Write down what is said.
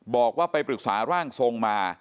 บอกว่าไปปรึกษาร่างทรงมา